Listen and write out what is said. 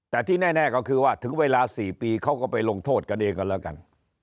แต่ที่แน่ก็คือว่าถึงเวลา๔ปีเขาก็ไปลงโทษกันเองกันแล้วกัน